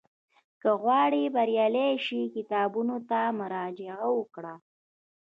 که غواړې بریالی شې، کتابونو ته مراجعه وکړه.